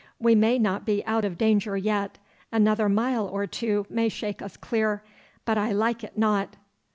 'We may not be out of danger yet. Another mile or two may shake us clear. But I like it not.